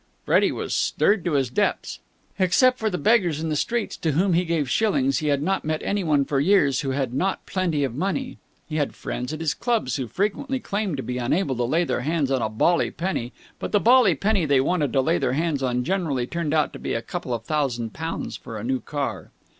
Freddie was stirred to his depths. Except for the beggars in the streets, to whom he gave shillings, he had not met anyone for years who had not plenty of money. He had friends at his clubs who frequently claimed to be unable to lay their hands on a bally penny, but the bally penny they wanted to lay their hands on generally turned out to be a couple of thousand pounds for a new car.